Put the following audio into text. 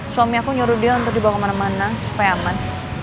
suami aku nyuruh dia untuk dibawa kemana mana supaya aman